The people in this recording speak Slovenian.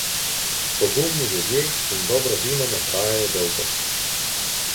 Pogumni ljudje in dobro vino ne trajajo dolgo.